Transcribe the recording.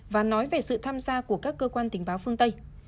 và nói về sự tham gia của các cơ quan tình báo phương tây